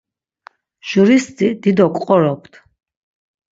Juristi dido ǩqoropt.